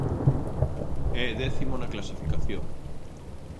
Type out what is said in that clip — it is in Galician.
É décimo na clasificación.